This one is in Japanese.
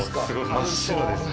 真っ白ですね。